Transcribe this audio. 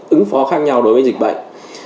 ứng phó khác nhau đối với dịch bệnh